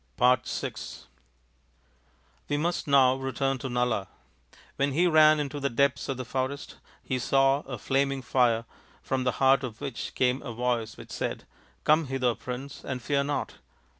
VI We must now return to Nala. When he ran into the depths of the forest, he saw a flaming fire, from the heart of which came a voice which said, " Come hither, Prince, and fear not."